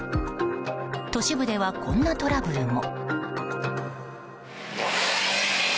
都市部ではこんなトラブルも。